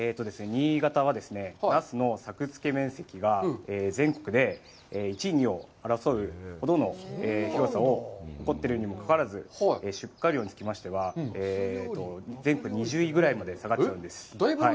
新潟はですね、ナスの作付面積が全国で一、二を争うほどの広さを誇っているにもかかわらず、出荷量につきましては全国２０位ぐらいまで下がっちゃうんです。